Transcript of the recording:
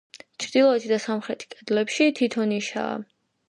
ჩრდილოეთ და სამხრეთ კედლებში თითო ნიშაა.